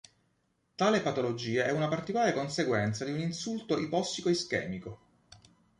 Tale patologia è una particolare conseguenza di un insulto ipossico-ischemico.